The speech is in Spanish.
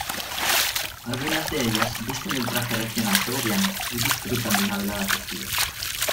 Algunas de ellas, visten el traje regional segoviano y disfrutan de una velada festiva.